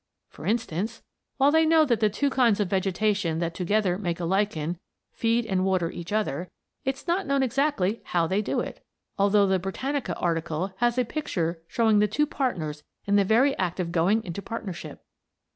For instance, while they know that the two kinds of vegetation that together make a lichen, feed and water each other, it's not known exactly how they do it; although the "Britannica" article has a picture showing the two partners in the very act of going into partnership.